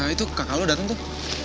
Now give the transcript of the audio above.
itu kakak lo dateng tuh